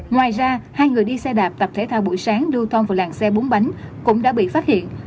ngoài ra hai người đi xe đạp tập thể thao buổi sáng lưu thông vào làng xe bốn bánh cũng đã bị phát hiện